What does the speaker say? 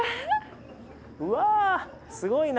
うわすごいな。